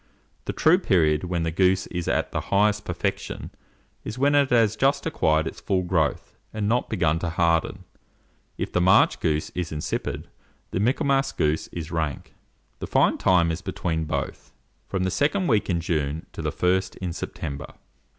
The true period when the goose is in the highest perfection is when it has just acquired its full growth, and not begun to harden; if the March goose is insipid, the Michaelmas goose is rank. The fine time is between both; from the second week in June to the first in September."